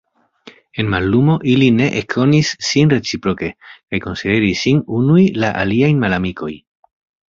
En mallumo ili ne ekkonis sin reciproke kaj konsideris sin unuj la aliajn malamikoj.